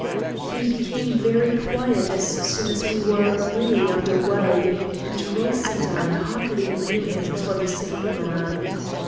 "He became very quiet as soon as we were really under way, and Royce and I hardly knew him for the same man.